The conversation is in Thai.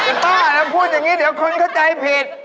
คุณป้านะพูดอย่างนี้เดี๋ยวคนเข้าใจผิด